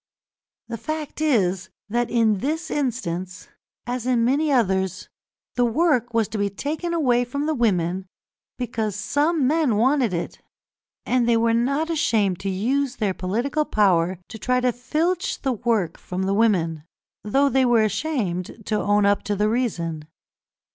The fact is that, in this instance, as in many others, the work was to be taken away from the women because some men wanted it, and they were not ashamed to use their political power to try to filch the work from the women, though they were ashamed to own up to the reason.